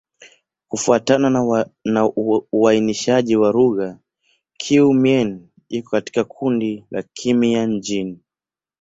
Kufuatana na uainishaji wa lugha, Kiiu-Mien iko katika kundi la Kimian-Jin.